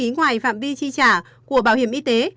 ngoài phạm vi chi trả của bảo hiểm y tế